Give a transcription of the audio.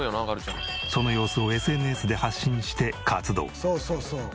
その様子をＳＮＳで発信して活動。